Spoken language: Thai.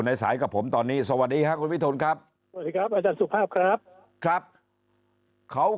ในสายกับผมตอนนี้สวัสดีครับคุณวิทูณครับสุขภาพครับเขา